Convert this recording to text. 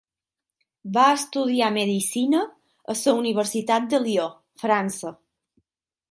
Va estudiar medicina a la Universitat de Lió, França.